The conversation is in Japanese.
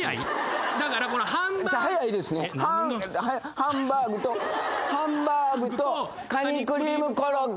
ハンバーグとハンバーグとカニクリームコロッケ。